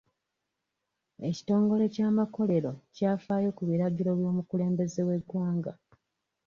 Ekitongole ky'amakomera kyafaayo ku biragiro by'omukulembeze w'eggwanga.